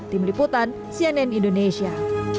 tim liputan cnn indonesia